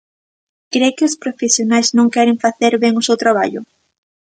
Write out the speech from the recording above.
¿Cre que os profesionais non queren facer ben o seu traballo?